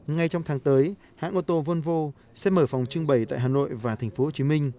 ngay trong tháng tới hãng ô tô volvo sẽ mở phòng trưng bày tại hà nội và tp hcm